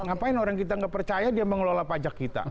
ngapain orang kita nggak percaya dia mengelola pajak kita